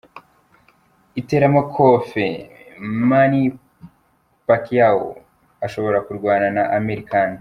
Iteramakofe: Manny Pacquiao ashobora kurwana na Amir Khan.